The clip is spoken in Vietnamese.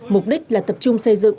mục đích là tập trung xây dựng